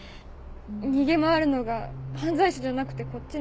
逃げ回るのが犯罪者じゃなくてこっちなんて